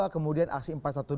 kemudian aksi empat ratus dua belas